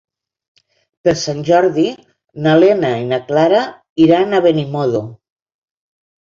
Per Sant Jordi na Lena i na Clara iran a Benimodo.